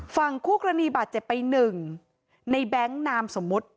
ฝั่งคู่กรณีบาดเจ็บไปหนึ่งในแบงค์นามสมมุติ